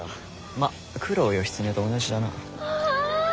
まっ九郎義経と同じだな。